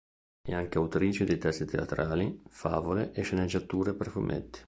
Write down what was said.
È anche autrice di testi teatrali, favole e sceneggiature per fumetti.